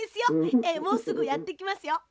ええもうすぐやってきますよ。